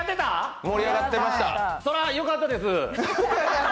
そりゃよかったです。